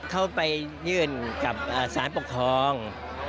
เขาไปยื่นกับสารปกครอง